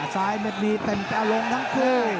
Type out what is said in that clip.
สายไม่มีเต็มแต่ลงทั้งคู่